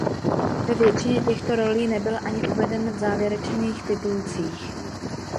Ve většině těchto rolí nebyl ani uveden v závěrečných titulcích.